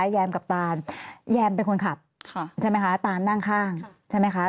แยมกับตานแยมเป็นคนขับใช่ไหมคะตานนั่งข้างใช่ไหมคะ